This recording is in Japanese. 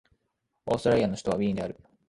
オーストリアの首都はウィーンである